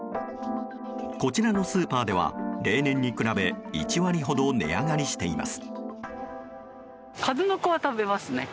こちらのスーパーでは例年に比べ１割ほど値上がりしています。